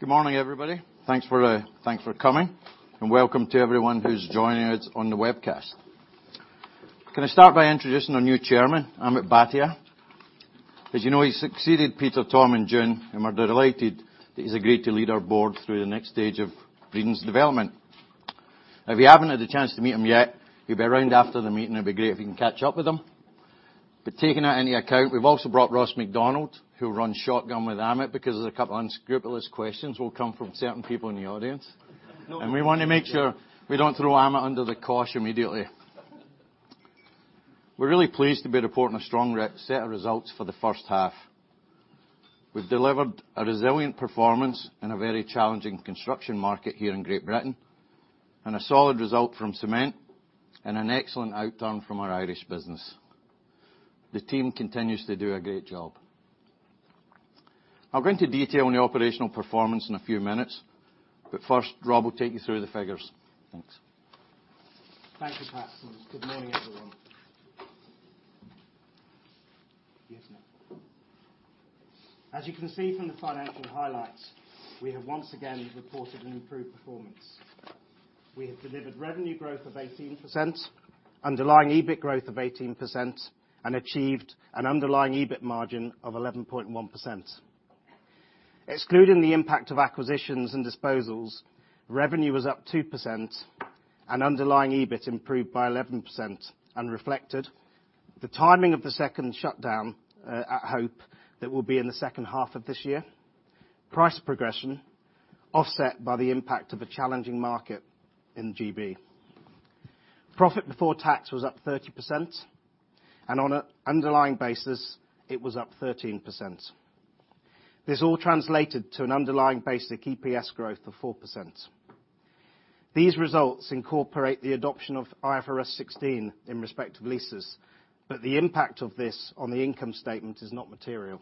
Good morning, everybody. Thanks for coming, and welcome to everyone who's joining us on the webcast. Can I start by introducing our new Chairman, Amit Bhatia? As you know, he succeeded Peter Tom in June, and we're delighted that he's agreed to lead our board through the next stage of Breedon's development. If you haven't had a chance to meet him yet, he'll be around after the meeting. It'd be great if you can catch up with him. Taking that into account, we've also brought Ross Macdonald, who will run shotgun with Amit because there's a couple unscrupulous questions will come from certain people in the audience. We want to make sure we don't throw Amit under the cosh immediately. We're really pleased to be reporting a strong set of results for the first half. We've delivered a resilient performance in a very challenging construction market here in Great Britain, and a solid result from Cement, and an excellent outturn from our Irish business. The team continues to do a great job. I'll go into detail on the operational performance in a few minutes, but first Rob will take you through the figures. Thanks. Thank you, Pat. Good morning, everyone. As you can see from the financial highlights, we have once again reported an improved performance. We have delivered revenue growth of 18%, underlying EBIT growth of 18%, and achieved an underlying EBIT margin of 11.1%. Excluding the impact of acquisitions and disposals, revenue was up 2% and underlying EBIT improved by 11% and reflected the timing of the second shutdown at Hope that will be in the second half of this year. Price progression, offset by the impact of a challenging market in GB. Profit before tax was up 30%, and on an underlying basis, it was up 13%. This all translated to an underlying basic EPS growth of 4%. These results incorporate the adoption of IFRS 16 in respect of leases, but the impact of this on the income statement is not material.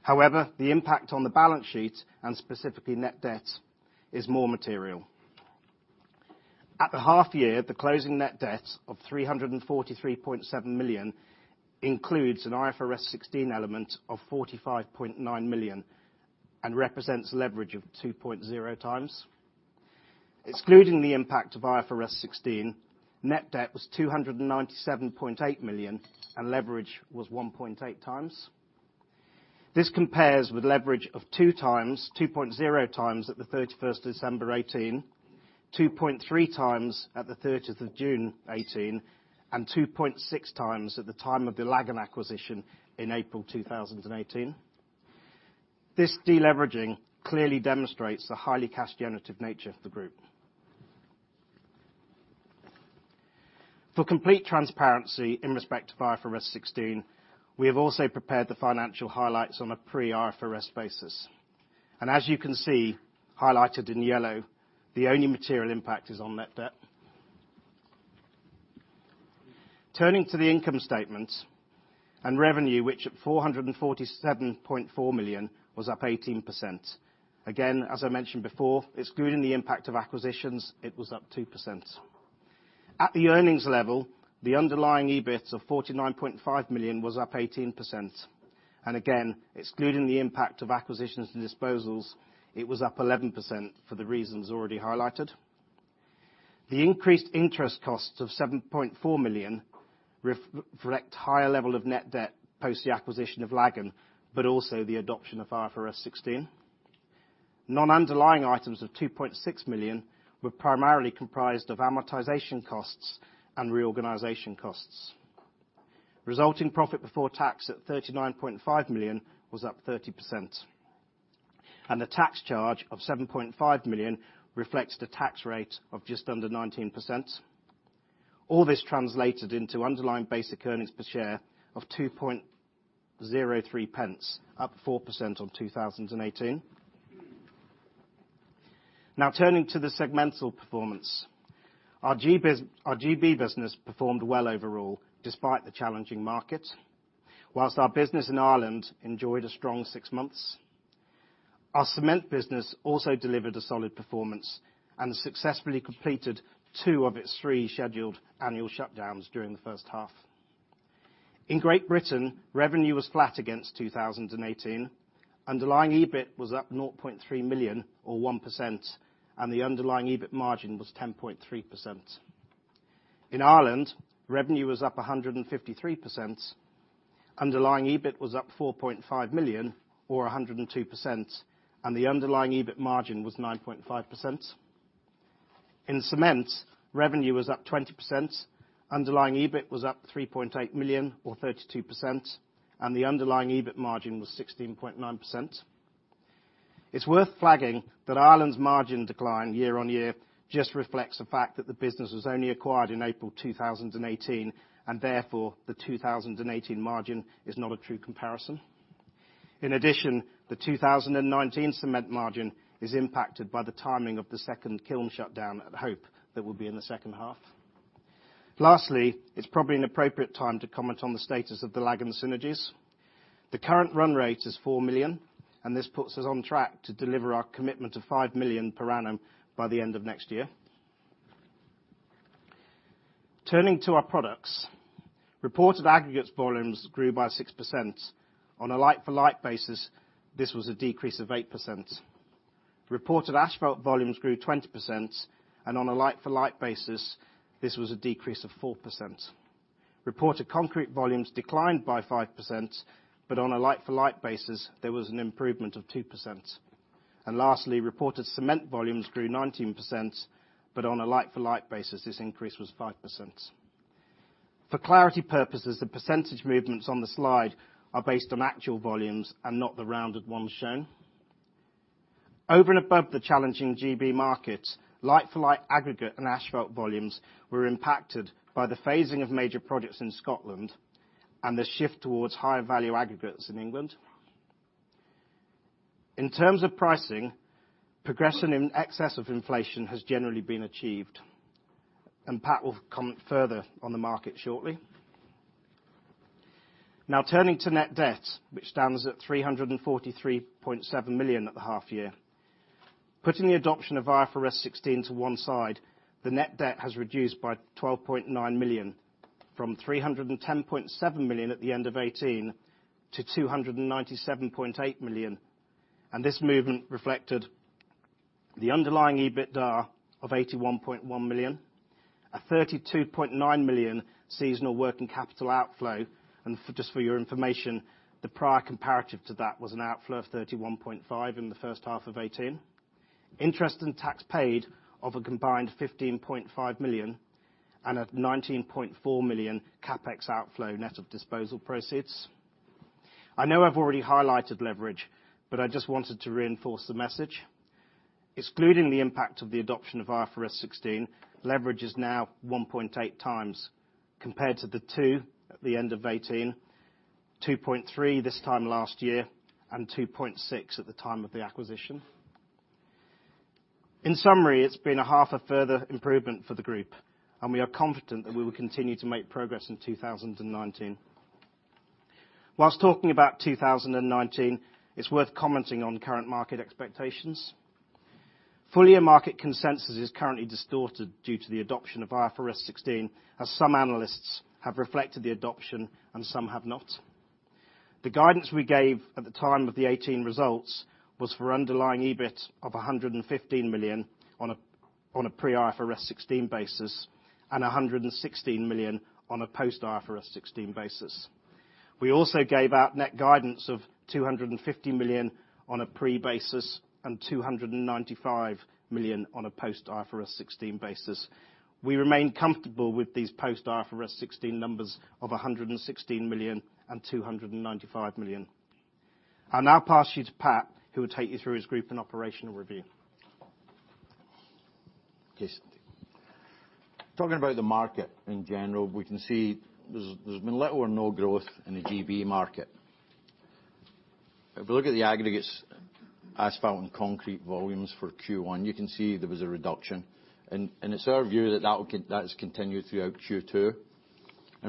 However, the impact on the balance sheet, and specifically net debt, is more material. At the half year, the closing net debt of 343.7 million includes an IFRS 16 element of 45.9 million and represents leverage of 2.0 times. Excluding the impact of IFRS 16, net debt was 297.8 million and leverage was 1.8 times. This compares with leverage of 2.0 times at the 31st of December 2018, 2.3 times at the 30th of June 2018, and 2.6 times at the time of the Lagan acquisition in April 2018. This de-leveraging clearly demonstrates the highly cash generative nature of the group. For complete transparency in respect to IFRS 16, we have also prepared the financial highlights on a pre-IFRS basis. As you can see, highlighted in yellow, the only material impact is on net debt. Turning to the income statement and revenue, which at 447.4 million was up 18%. As I mentioned before, excluding the impact of acquisitions, it was up 2%. At the earnings level, the underlying EBIT of 49.5 million was up 18%. Again, excluding the impact of acquisitions and disposals, it was up 11% for the reasons already highlighted. The increased interest costs of 7.4 million reflect higher level of net debt post the acquisition of Lagan, but also the adoption of IFRS 16. Non-underlying items of 2.6 million were primarily comprised of amortization costs and reorganization costs. Resulting profit before tax at 39.5 million was up 30%. The tax charge of 7.5 million reflects the tax rate of just under 19%. All this translated into underlying basic earnings per share of 0.0203, up 4% on 2018. Turning to the segmental performance. Our GB business performed well overall, despite the challenging market, whilst our business in Ireland enjoyed a strong six months. Our Cement business also delivered a solid performance and successfully completed two of its three scheduled annual shutdowns during the first half. In Great Britain, revenue was flat against 2018. Underlying EBIT was up 0.3 million, or 1%, and the underlying EBIT margin was 10.3%. In Ireland, revenue was up 153%, underlying EBIT was up 4.5 million, or 102%, and the underlying EBIT margin was 9.5%. In Cement, revenue was up 20%, underlying EBIT was up 3.8 million, or 32%, and the underlying EBIT margin was 16.9%. It's worth flagging that Ireland's margin decline year-on-year just reflects the fact that the business was only acquired in April 2018, and therefore, the 2018 margin is not a true comparison. In addition, the 2019 Cement margin is impacted by the timing of the second kiln shutdown at Hope that will be in the second half. Lastly, it's probably an appropriate time to comment on the status of the Lagan synergies. The current run rate is 4 million, and this puts us on track to deliver our commitment of 5 million per annum by the end of next year. Turning to our products, reported aggregates volumes grew by 6%. On a like-for-like basis, this was a decrease of 8%. Reported asphalt volumes grew 20%, and on a like-for-like basis, this was a decrease of 4%. Reported concrete volumes declined by 5%, but on a like-for-like basis, there was an improvement of 2%. Lastly, reported cement volumes grew 19%, but on a like-for-like basis, this increase was 5%. For clarity purposes, the % movements on the slide are based on actual volumes and not the rounded ones shown. Over and above the challenging GB market, like-for-like aggregate and asphalt volumes were impacted by the phasing of major projects in Scotland and the shift towards higher value aggregates in England. In terms of pricing, progression in excess of inflation has generally been achieved, and Pat will comment further on the market shortly. Now turning to net debt, which stands at 343.7 million at the half year. Putting the adoption of IFRS 16 to one side, the net debt has reduced by 12.9 million, from 310.7 million at the end of 2018 to 297.8 million. This movement reflected the underlying EBITDA of 81.1 million, a 32.9 million seasonal working capital outflow. Just for your information, the prior comparative to that was an outflow of 31.5 million in the first half of 2018. Interest and tax paid of a combined 15.5 million and a 19.4 million CapEx outflow net of disposal proceeds. I know I've already highlighted leverage, but I just wanted to reinforce the message. Excluding the impact of the adoption of IFRS 16, leverage is now 1.8 times compared to the 2 at the end of 2018, 2.3 this time last year, and 2.6 at the time of the acquisition. In summary, it's been a half a further improvement for the group, and we are confident that we will continue to make progress in 2019. Whilst talking about 2019, it's worth commenting on current market expectations. Full year market consensus is currently distorted due to the adoption of IFRS 16, as some analysts have reflected the adoption and some have not. The guidance we gave at the time of the 2018 results was for underlying EBIT of 115 million on a pre-IFRS 16 basis and 116 million on a post-IFRS 16 basis. We also gave out net guidance of 250 million on a pre basis and 295 million on a post-IFRS 16 basis. We remain comfortable with these post-IFRS 16 numbers of 116 million and 295 million. I'll now pass you to Pat, who will take you through his group and operational review. Yes. Talking about the market in general, we can see there's been little or no growth in the GB market. If we look at the aggregates, asphalt and concrete volumes for Q1, you can see there was a reduction. It's our view that that has continued throughout Q2.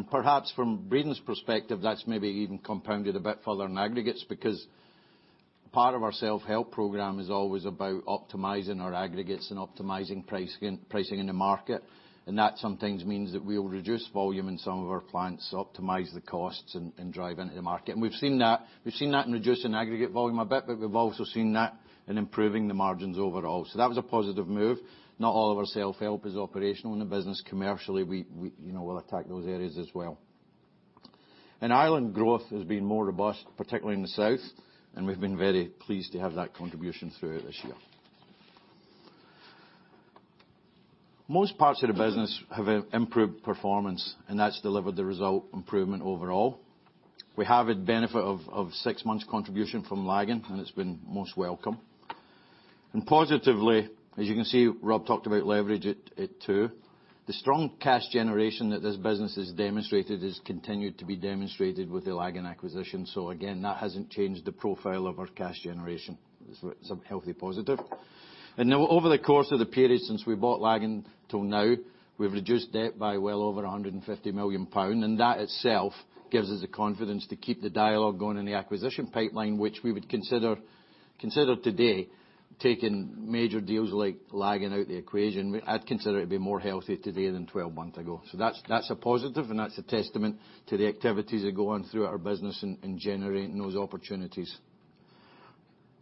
Perhaps from Breedon's perspective, that's maybe even compounded a bit further in aggregates because part of our self-help program is always about optimizing our aggregates and optimizing pricing in the market. That sometimes means that we will reduce volume in some of our plants to optimize the costs and drive into the market. We've seen that in reducing aggregate volume a bit, but we've also seen that in improving the margins overall. That was a positive move. Not all of our self-help is operational in the business. Commercially, we'll attack those areas as well. In Ireland, growth has been more robust, particularly in the south, and we've been very pleased to have that contribution throughout this year. Most parts of the business have improved performance, and that's delivered the result improvement overall. We have had benefit of six months contribution from Lagan, and it's been most welcome. Positively, as you can see, Rob talked about leverage at two. The strong cash generation that this business has demonstrated has continued to be demonstrated with the Lagan acquisition. Again, that hasn't changed the profile of our cash generation. It's a healthy positive. Now over the course of the period since we bought Lagan till now, we've reduced debt by well over 150 million pound. That itself gives us the confidence to keep the dialogue going in the acquisition pipeline, which we would consider today, taking major deals like Lagan out the equation, I'd consider it to be more healthy today than 12 months ago. That's a positive, and that's a testament to the activities that go on throughout our business in generating those opportunities.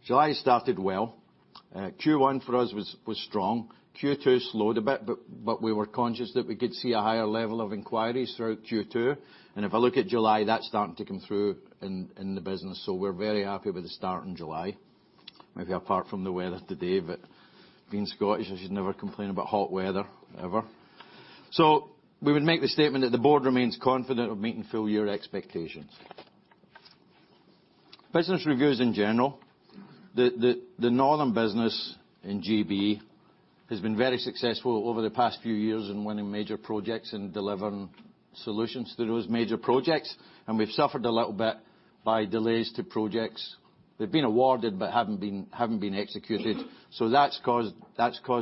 July started well. Q1 for us was strong. Q2 slowed a bit, but we were conscious that we could see a higher level of inquiries throughout Q2. If I look at July, that's starting to come through in the business. We're very happy with the start in July, maybe apart from the weather today, but being Scottish, I should never complain about hot weather, ever. We would make the statement that the board remains confident of meeting full year expectations. Business reviews in general, the Northern business in G.B. has been very successful over the past few years in winning major projects and delivering solutions to those major projects. We've suffered a little bit by delays to projects. They've been awarded but haven't been executed. That's caused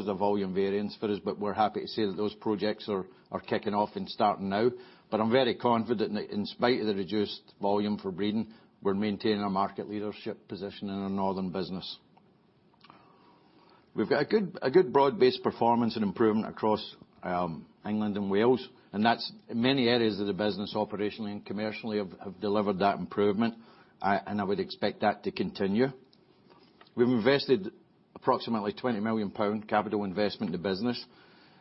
a volume variance for us, but we're happy to say that those projects are kicking off and starting now. I'm very confident that in spite of the reduced volume for Breedon, we're maintaining our market leadership position in our Northern business. We've got a good broad-based performance and improvement across England and Wales, and many areas of the business operationally and commercially have delivered that improvement, and I would expect that to continue. We've invested approximately 20 million pound capital investment in the business.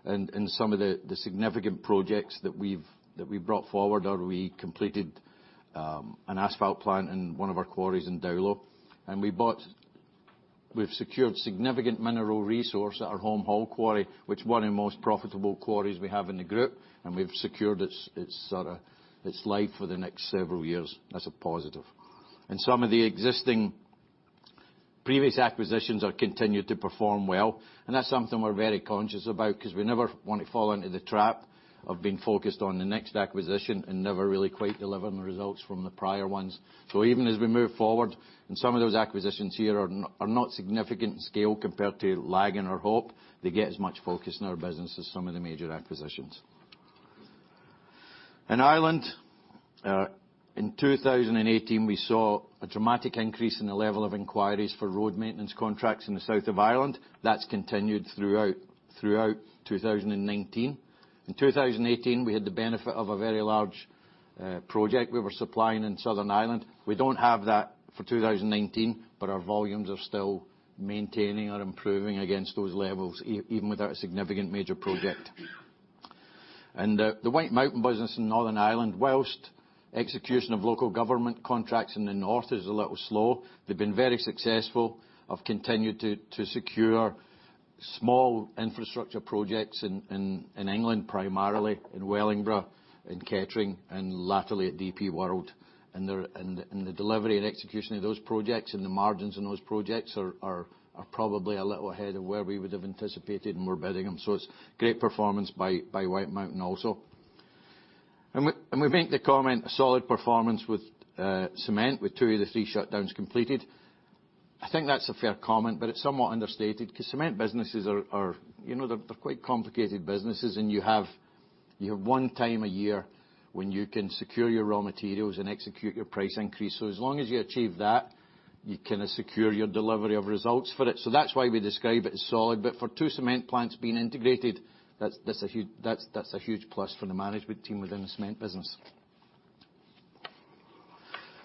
Some of the significant projects that we've brought forward are we completed an asphalt plant in one of our quarries in Dowlow. We've secured significant mineral resource at our Holme Hall quarry, which one of the most profitable quarries we have in the group, and we've secured its life for the next several years. That's a positive. Some of the existing previous acquisitions have continued to perform well. That's something we're very conscious about because we never want to fall into the trap of being focused on the next acquisition and never really quite delivering the results from the prior ones. Even as we move forward, some of those acquisitions here are not significant scale compared to Lagan or Hope, they get as much focus in our business as some of the major acquisitions. In Ireland, in 2018, we saw a dramatic increase in the level of inquiries for road maintenance contracts in the south of Ireland. That's continued throughout 2019. In 2018, we had the benefit of a very large project we were supplying in southern Ireland. We don't have that for 2019, but our volumes are still maintaining or improving against those levels even without a significant major project. The Whitemountain business in Northern Ireland, whilst execution of local government contracts in the north is a little slow, they've been very successful, have continued to secure small infrastructure projects in England, primarily in Wellingborough and Kettering, and latterly at DP World. The delivery and execution of those projects and the margins on those projects are probably a little ahead of where we would have anticipated and we're bidding them. It's great performance by Whitemountain also. We make the comment, a solid performance with cement, with two of the three shutdowns completed. I think that's a fair comment, but it's somewhat understated because cement businesses, they're quite complicated businesses and you have one time a year when you can secure your raw materials and execute your price increase. As long as you achieve that, you can secure your delivery of results for it. That's why we describe it as solid, but for two cement plants being integrated, that's a huge plus for the management team within the cement business.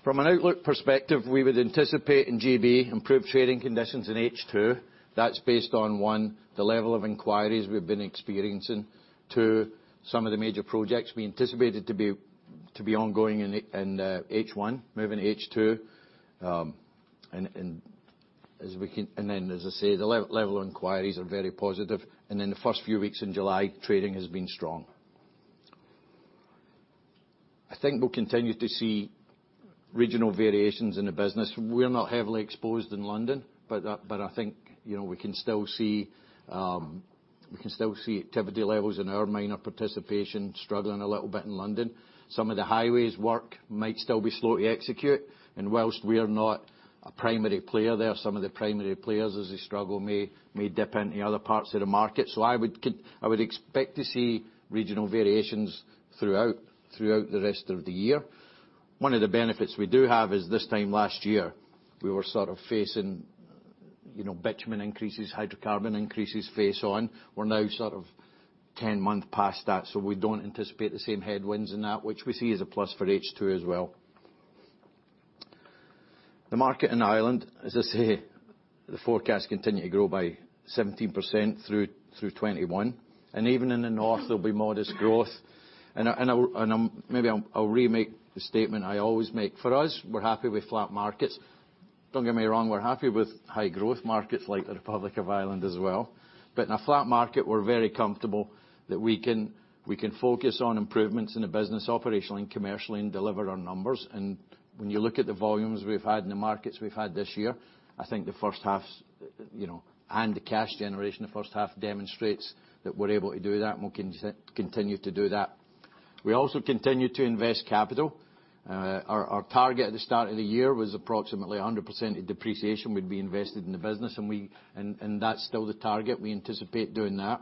From an outlook perspective, we would anticipate in GB improved trading conditions in H2. That's based on, one, the level of inquiries we've been experiencing. Two, some of the major projects we anticipated to be ongoing in H1, moving to H2. As I say, the level of inquiries are very positive, and in the first few weeks in July, trading has been strong. I think we'll continue to see regional variations in the business. We're not heavily exposed in London, but I think we can still see activity levels in our minor participation struggling a little bit in London. Some of the highways work might still be slow to execute, and whilst we are not a primary player there, some of the primary players, as they struggle, may dip into other parts of the market. I would expect to see regional variations throughout the rest of the year. One of the benefits we do have is this time last year, we were facing bitumen increases, hydrocarbon increases face on. We're now sort of 10 months past that, so we don't anticipate the same headwinds in that, which we see as a plus for H2 as well. The market in Ireland, as I say, the forecasts continue to grow by 17% through 2021. Even in the North, there'll be modest growth. Maybe I'll remake the statement I always make. For us, we're happy with flat markets. Don't get me wrong, we're happy with high growth markets like the Republic of Ireland as well. In a flat market, we're very comfortable that we can focus on improvements in the business operationally and commercially and deliver our numbers. When you look at the volumes we've had and the markets we've had this year, I think the first half's, and the cash generation the first half, demonstrates that we're able to do that and we'll continue to do that. We also continue to invest capital. Our target at the start of the year was approximately 100% of depreciation would be invested in the business, and that's still the target. We anticipate doing that.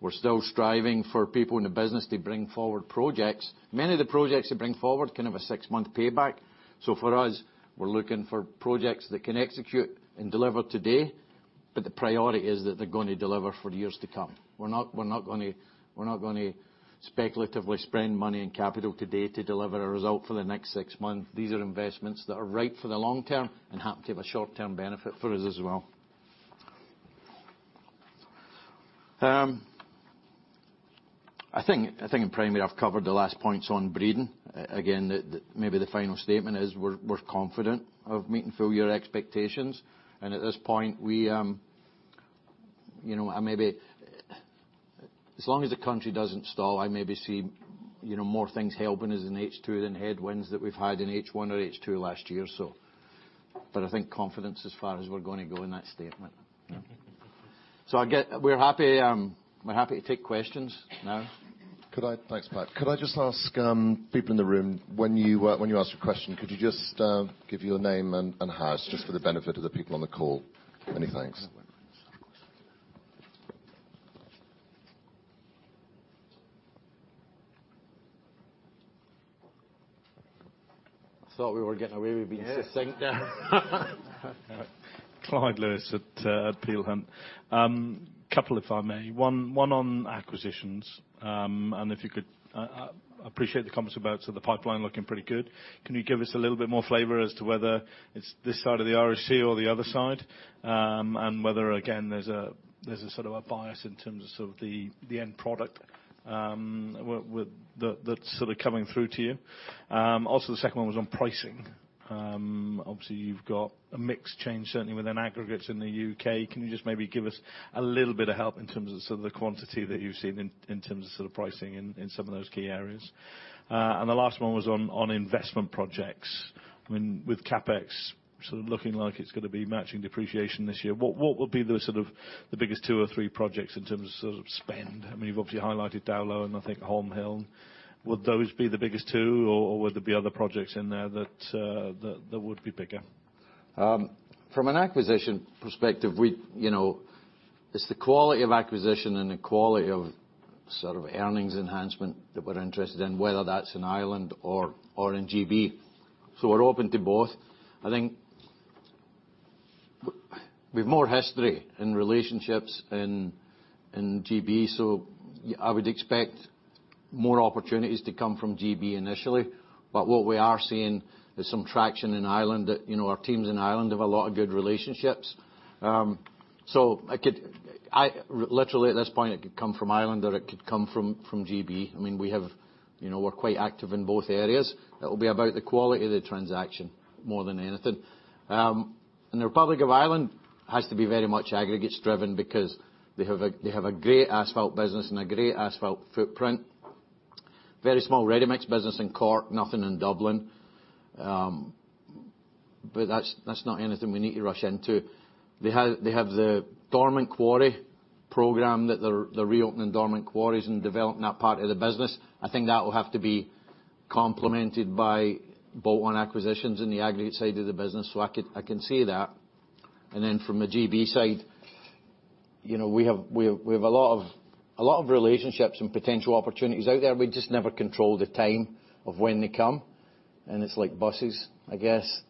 We're still striving for people in the business to bring forward projects. Many of the projects they bring forward can have a six-month payback. For us, we're looking for projects that can execute and deliver today, but the priority is that they're going to deliver for years to come. We're not going to speculatively spend money and capital today to deliver a result for the next six months. These are investments that are right for the long term and happen to have a short-term benefit for us as well. I think in primary, I've covered the last points on Breedon. Again, maybe the final statement is we're confident of meeting full year expectations. At this point, as long as the country doesn't stall, I maybe see more things helping us in H2 than headwinds that we've had in H1 or H2 last year. I think confidence as far as we're going to go in that statement. We're happy to take questions now. Thanks, Pat. Could I just ask people in the room, when you ask a question, could you just give your name and house just for the benefit of the people on the call? Many thanks. I thought we were getting away with being succinct. Yeah. Clyde Lewis at Peel Hunt. Couple, if I may. One on acquisitions, and I appreciate the comments about the pipeline looking pretty good. Can you give us a little bit more flavor as to whether it's this side of the RSC or the other side? Whether, again, there's a sort of a bias in terms of the end product that's sort of coming through to you. The second one was on pricing. Obviously, you've got a mix change, certainly within aggregates in the U.K. Can you just maybe give us a little bit of help in terms of sort of the quantity that you've seen in terms of sort of pricing in some of those key areas? The last one was on investment projects. With CapEx sort of looking like it's going to be matching depreciation this year, what would be the sort of the biggest two or three projects in terms of sort of spend? You've obviously highlighted Dowlow and I think Holme Hall. Would those be the biggest two, or would there be other projects in there that would be bigger? From an acquisition perspective, it's the quality of acquisition and the quality of sort of earnings enhancement that we're interested in, whether that's in Ireland or in GB. We're open to both. I think we've more history and relationships in GB, so I would expect more opportunities to come from GB initially. What we are seeing is some traction in Ireland that our teams in Ireland have a lot of good relationships. Literally at this point, it could come from Ireland or it could come from GB. We're quite active in both areas. It will be about the quality of the transaction more than anything. In the Republic of Ireland, it has to be very much aggregates driven because they have a great asphalt business and a great asphalt footprint. Very small Readymix business in Cork, nothing in Dublin. That's not anything we need to rush into. They have the dormant quarry program, that they're reopening dormant quarries and developing that part of the business. I think that will have to be complemented by bolt-on acquisitions in the aggregate side of the business. I can see that. From the GB side, we have a lot of relationships and potential opportunities out there. We just never control the time of when they come. It's like buses, I guess.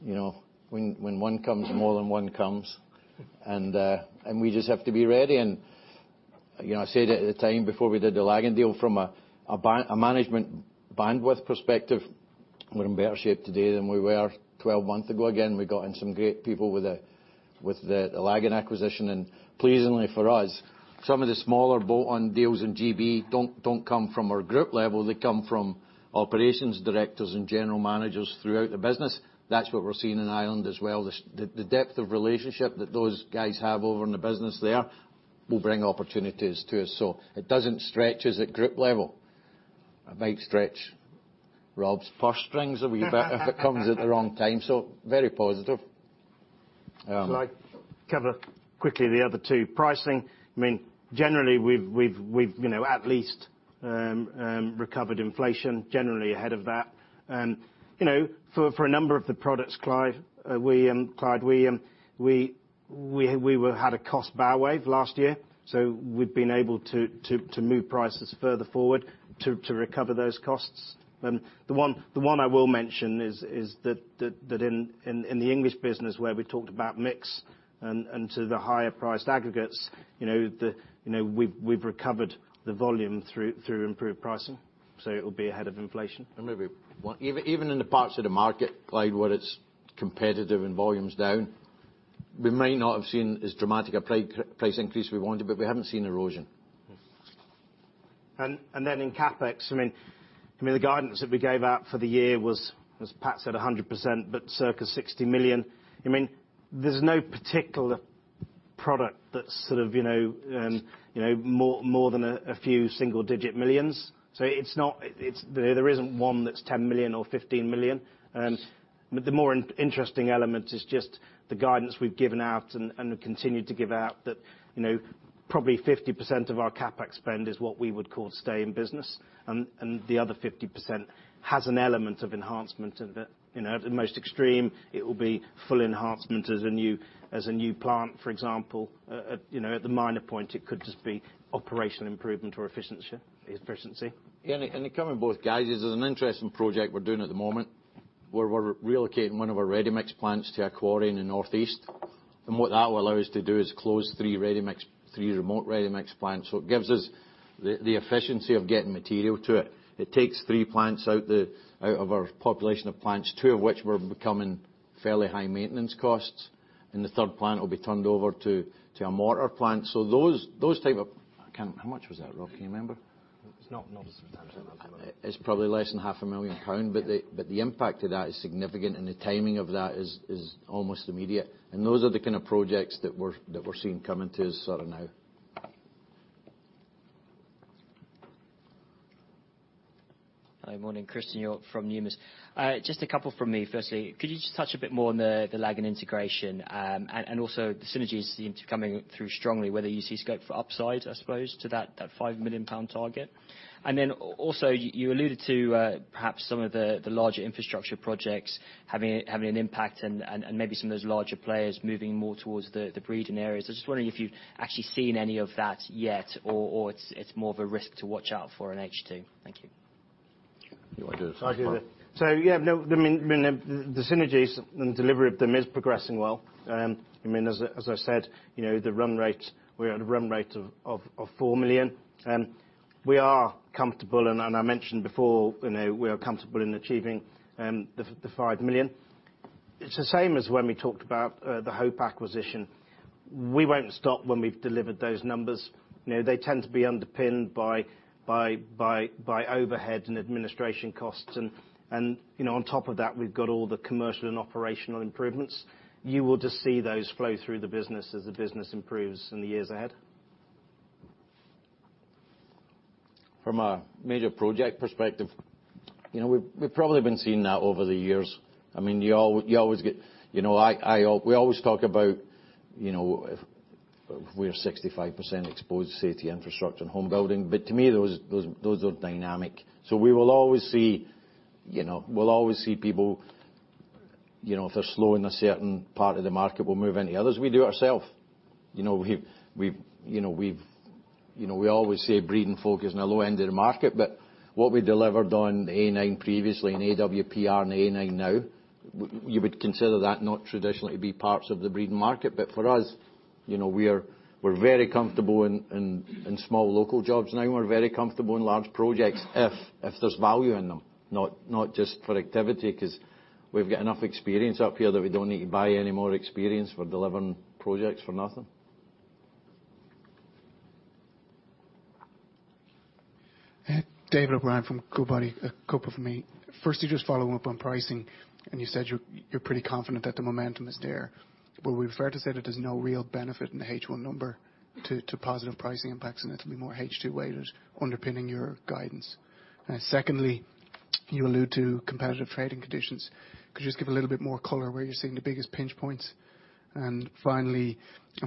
When one comes, more than one comes. We just have to be ready. I said it at the time before we did the Lagan deal, from a management bandwidth perspective, we're in better shape today than we were 12 months ago. Again, we got in some great people with the Lagan acquisition. Pleasingly for us, some of the smaller bolt-on deals in GB don't come from our group level. They come from operations directors and general managers throughout the business. That's what we're seeing in Ireland as well. The depth of relationship that those guys have over in the business there will bring opportunities to us. It doesn't stretch us at group level. It might stretch Rob's purse strings a wee bit if it comes at the wrong time. Very positive. Shall I cover quickly the other two? Pricing, generally we've at least recovered inflation, generally ahead of that. For a number of the products, Clyde, we had a cost bow wave last year. We've been able to move prices further forward to recover those costs. The one I will mention is that in the English business where we talked about mix and to the higher priced aggregates, we've recovered the volume through improved pricing. It will be ahead of inflation. Maybe even in the parts of the market, Clyde, where it's competitive and volume's down, we might not have seen as dramatic a price increase we wanted, but we haven't seen erosion. In CapEx, the guidance that we gave out for the year was, as Pat said, 100%, but circa 60 million. There's no particular product that's sort of more than a few single-digit millions. There isn't one that's 10 million or 15 million. The more interesting element is just the guidance we've given out and continued to give out that probably 50% of our CapEx spend is what we would call stay in business, and the other 50% has an element of enhancement. At the most extreme, it will be full enhancement as a new plant, for example. At the minor point, it could just be operational improvement or efficiency. Coming both, guys, there's an interesting project we're doing at the moment where we're relocating one of our ReadyMix plants to a quarry in the Northeast. What that will allow us to do is close three remote ReadyMix plants. It gives us the efficiency of getting material to it. It takes three plants out of our population of plants, two of which were becoming fairly high maintenance costs, and the third plant will be turned over to a mortar plant. Those type of I can't remember. How much was that, Rob? Can you remember? It's not substantial. It's probably less than half a million GBP, but the impact of that is significant, and the timing of that is almost immediate. Those are the kind of projects that we're seeing coming to us sort of now. Hi, morning. Christian York from Numis. Just a couple from me. Firstly, could you just touch a bit more on the Lagan integration? Also the synergies seem to be coming through strongly, whether you see scope for upside, I suppose, to that 5 million pound target. Also, you alluded to perhaps some of the larger infrastructure projects having an impact and maybe some of those larger players moving more towards the Breedon areas. I was just wondering if you've actually seen any of that yet, or it's more of a risk to watch out for in H2. Thank you. You want to do this as well? I can do it. Yeah, the synergies and the delivery of them is progressing well. As I said, we are at a run rate of 4 million. We are comfortable, and I mentioned before, we are comfortable in achieving the 5 million. It's the same as when we talked about the Hope acquisition. We won't stop when we've delivered those numbers. They tend to be underpinned by overhead and administration costs. On top of that, we've got all the commercial and operational improvements. You will just see those flow through the business as the business improves in the years ahead. From a major project perspective, we've probably been seeing that over the years. We always talk about we are 65% exposed, say, to infrastructure and home building. To me, those are dynamic. We will always see people, if they're slow in a certain part of the market, will move into others. We do it ourselves. We always say Breedon focus on the low end of the market, but what we delivered on A9 previously and AWPR and A9 now, you would consider that not traditionally to be parts of the Breedon market. For us, we're very comfortable in small local jobs now. We're very comfortable in large projects if there's value in them, not just for activity, because we've got enough experience up here that we don't need to buy any more experience for delivering projects for nothing. David O'Brien from Goodbody, a couple for me. First, just following up on pricing. You said you're pretty confident that the momentum is there. Are we fair to say that there's no real benefit in the H1 number to positive pricing impacts, and it will be more H2 weighted underpinning your guidance? Secondly, you allude to competitive trading conditions. Could you just give a little bit more color where you're seeing the biggest pinch points? Finally,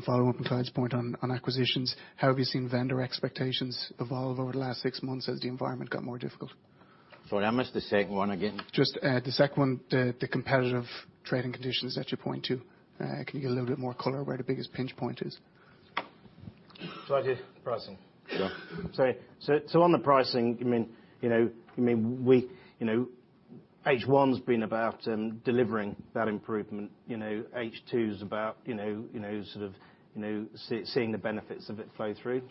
following up on Clyde point on acquisitions, how have you seen vendor expectations evolve over the last six months as the environment got more difficult? Sorry, I missed the second one again. Just the second one, the competitive trading conditions that you point to. Can you give a little bit more color where the biggest pinch point is? Shall I do pricing? Yeah. On the pricing, H1 has been about delivering that improvement. H2 is about sort of seeing the benefits of it flow through.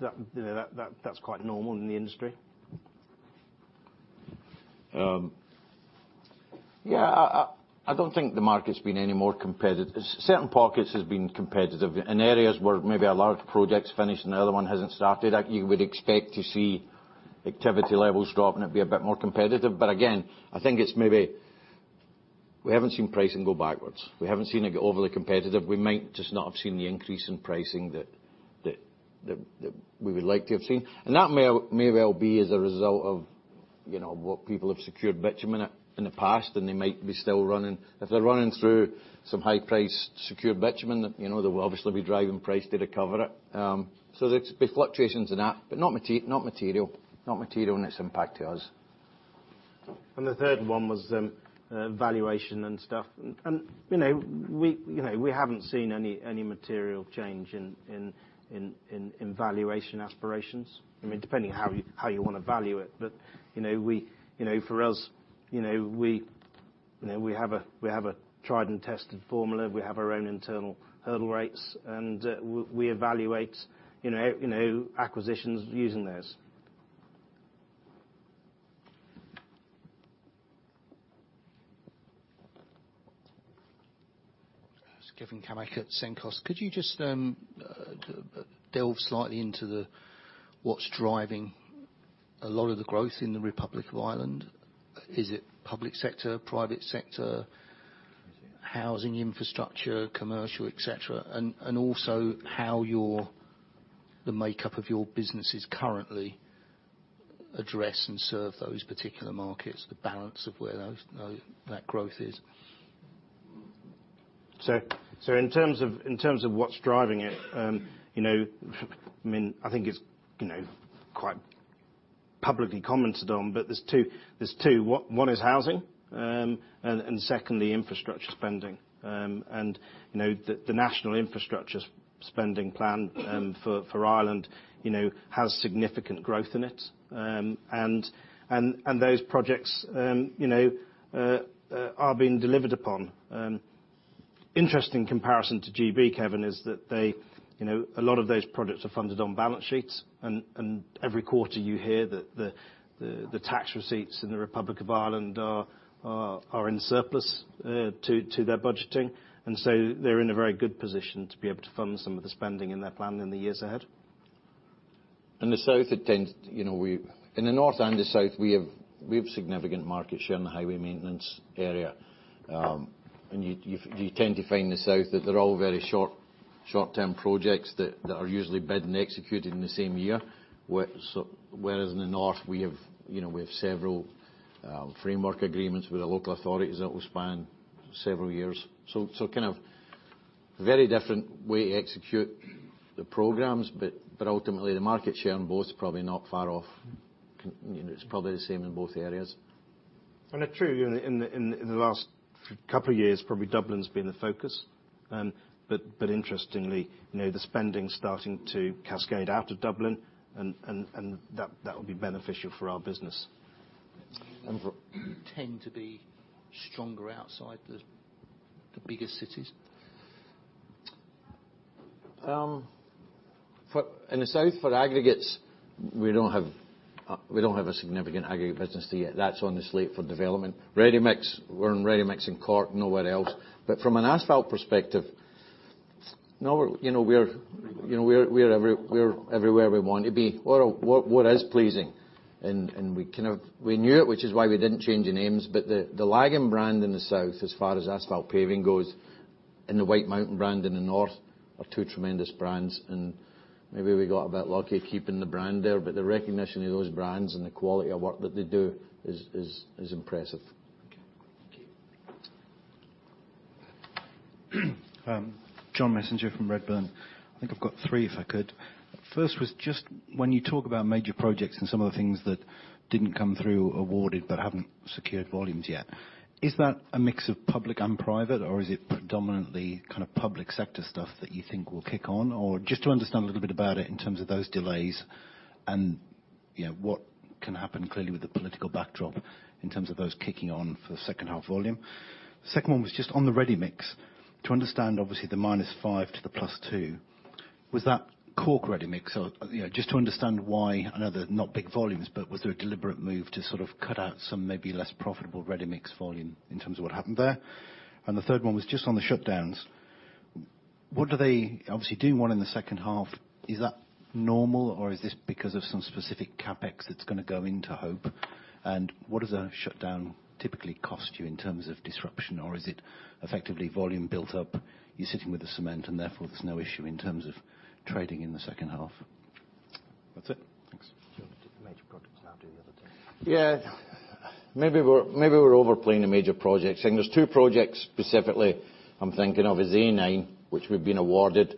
That's quite normal in the industry. I don't think the market's been any more competitive. Certain pockets has been competitive. In areas where maybe a large project's finished and the other one hasn't started, you would expect to see activity levels drop and it be a bit more competitive. Again, I think it's maybe we haven't seen pricing go backwards. We haven't seen it get overly competitive. We might just not have seen the increase in pricing that we would like to have seen. That may well be as a result of what people have secured bitumen in the past, and they might be still running. If they're running through some high price secured bitumen, they will obviously be driving price to recover it. There's fluctuations in that, but not material in its impact to us. The third one was valuation and stuff. We haven't seen any material change in valuation aspirations. Depending on how you want to value it. For us, we have a tried and tested formula. We have our own internal hurdle rates, and we evaluate acquisitions using those. Kevin Cammack at Cenkos. Could you just delve slightly into what's driving a lot of the growth in the Republic of Ireland? Is it public sector, private sector, housing, infrastructure, commercial, et cetera? Also how the makeup of your businesses currently address and serve those particular markets, the balance of where that growth is. In terms of what's driving it, I think it's quite publicly commented on. There's two. One is housing, and secondly, infrastructure spending. The national infrastructure spending plan for Ireland has significant growth in it. Those projects are being delivered upon. Interesting comparison to G.B., Kevin, is that a lot of those projects are funded on balance sheets. Every quarter you hear that the tax receipts in the Republic of Ireland are in surplus to their budgeting. They're in a very good position to be able to fund some of the spending in their plan in the years ahead. In the north and the south, we have significant market share in the highway maintenance area. You tend to find in the south that they're all very short-term projects that are usually bid and executed in the same year. Whereas in the north, we have several framework agreements with the local authorities that will span several years. Kind of very different way to execute the programs. Ultimately, the market share on both is probably not far off. It's probably the same in both areas. True, in the last couple of years, probably Dublin's been the focus. Interestingly, the spending's starting to cascade out of Dublin, and that will be beneficial for our business. You tend to be stronger outside the bigger cities? In the south for aggregates, we don't have a significant aggregate business yet. That's on the slate for development. ReadyMix, we're in ReadyMix in Cork, nowhere else. From an asphalt perspective, we're everywhere we want to be, what is pleasing. We knew it, which is why we didn't change the names. The Lagan brand in the south, as far as asphalt paving goes, and the Whitemountain brand in the north, are two tremendous brands. Maybe we got a bit lucky keeping the brand there, but the recognition of those brands and the quality of work that they do is impressive. Okay. Thank you. John Messenger from Redburn. I think I've got three, if I could. First was just when you talk about major projects and some of the things that didn't come through awarded but haven't secured volumes yet, is that a mix of public and private, or is it predominantly kind of public sector stuff that you think will kick on? Just to understand a little bit about it in terms of those delays and what can happen clearly with the political backdrop in terms of those kicking on for the second half volume. Second one was just on the ReadyMix, to understand, obviously, the minus five to the plus two. Was that Cork ReadyMix? Just to understand why, I know they're not big volumes, but was there a deliberate move to sort of cut out some maybe less profitable ReadyMix volume in terms of what happened there? The third one was just on the shutdowns. Obviously, doing one in the second half, is that normal, or is this because of some specific CapEx that's going to go into Hope? What does a shutdown typically cost you in terms of disruption? Is it effectively volume built up, you're sitting with the cement, and therefore, there's no issue in terms of trading in the second half? That's it. Thanks. Do the major projects, and I'll do the other two. Yeah. Maybe we're overplaying the major projects. There's two projects specifically I'm thinking of, is A9, which we've been awarded.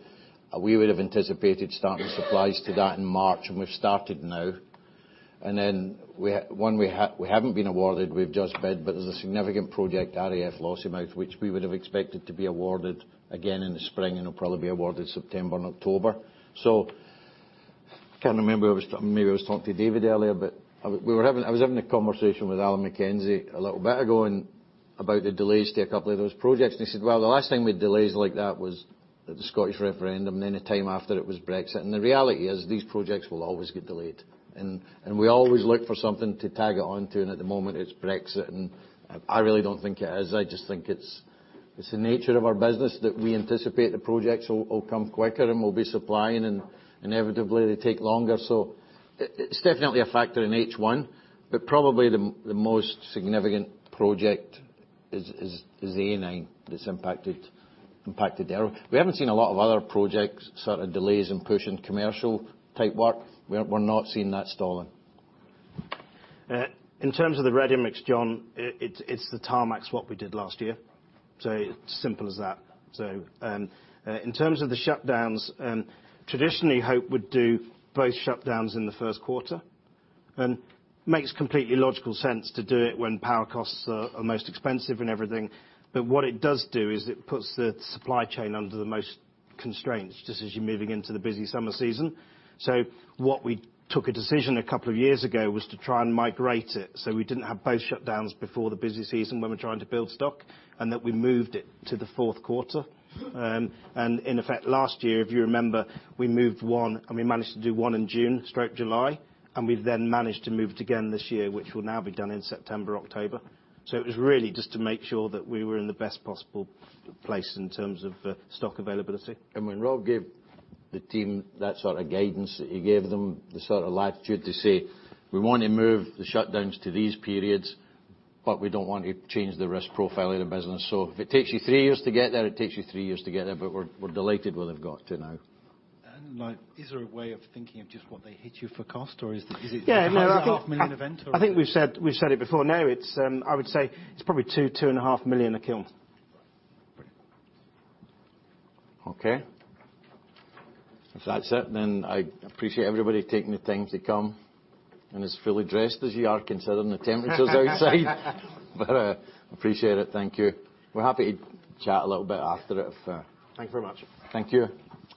We would have anticipated starting supplies to that in March, and we've started now. One we haven't been awarded, we've just bid, but there's a significant project, RAF Lossiemouth, which we would have expected to be awarded again in the spring, and it'll probably be awarded September and October. I can't remember, maybe I was talking to David earlier, but I was having a conversation with Alan Mackenzie a little bit ago about the delays to a couple of those projects, and he said, "Well, the last time we had delays like that was at the Scottish referendum, then a time after it was Brexit." The reality is, these projects will always get delayed. We always look for something to tag it on to, and at the moment it's Brexit, and I really don't think it is. I just think it's the nature of our business that we anticipate the projects will come quicker and we'll be supplying, and inevitably they take longer. It's definitely a factor in H1, but probably the most significant project is the A9 that's impacted there. We haven't seen a lot of other projects, sort of delays in pushing commercial type work. We're not seeing that stalling. In terms of the ReadyMix, John, it's the Tarmac what we did last year. It's simple as that. In terms of the shutdowns, traditionally Hope would do both shutdowns in the first quarter. Makes completely logical sense to do it when power costs are most expensive and everything. What it does do is it puts the supply chain under the most constraints, just as you're moving into the busy summer season. What we took a decision a couple of years ago was to try and migrate it, so we didn't have both shutdowns before the busy season when we're trying to build stock, and that we moved it to the fourth quarter. In effect, last year, if you remember, we moved one and we managed to do one in June/July, and we've then managed to move it again this year, which will now be done in September, October. It was really just to make sure that we were in the best possible place in terms of stock availability. When Rob gave the team that sort of guidance that he gave them, the sort of latitude to say, "We want to move the shutdowns to these periods, but we don't want to change the risk profile of the business." If it takes you three years to get there, it takes you three years to get there, but we're delighted we'll have got to now. Like, is there a way of thinking of just what they hit you for cost, or is it? Yeah, no. a half a million event I think we've said it before now. I would say it's probably 2 million, 2.5 million a kiln. Right. Brilliant. Okay. If that's it, then I appreciate everybody taking the time to come, and as fully dressed as you are considering the temperatures outside. Appreciate it, thank you. We're happy to chat a little bit after if. Thank you very much. Thank you.